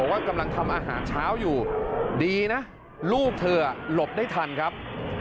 ว่ากำลังทำอาหารเช้าอยู่ดีนะลูกเธอหลบได้ทันครับ